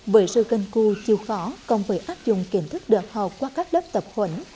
với sự cân cư chịu khó cộng với áp dụng kiến thức được học qua các lớp tập huẩn